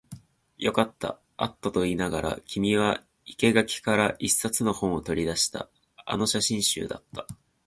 よかった、あったと言いながら、君は生垣から一冊の本を取り出した。あの写真集だった。